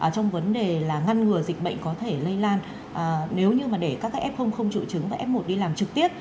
trong vấn đề là ngăn ngừa dịch bệnh có thể lây lan nếu như mà để các cái f không triệu chứng và f một đi làm trực tiếp